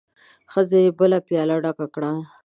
ښځې بله پياله ډکه کړه.